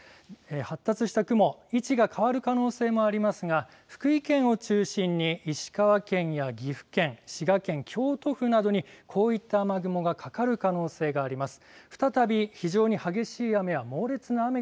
発達した雲位置が変わる可能性もありますが福井県を中心に石川県や岐阜県滋賀県、京都府などにこういった雨雲がかかる可能性があります。